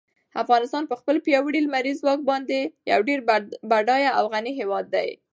افغانستان په خپل پیاوړي لمریز ځواک باندې یو ډېر بډای او غني هېواد دی.